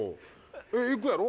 行くやろ？